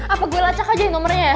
apa gue lacak aja nomernya ya